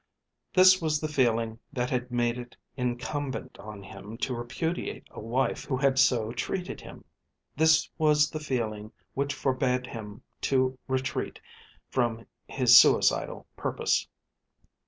This was the feeling that had made it incumbent on him to repudiate a wife who had so treated him. This was the feeling which forbad him to retreat from his suicidal purpose.